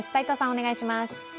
お願いします。